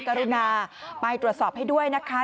กรุณาไปตรวจสอบให้ด้วยนะคะ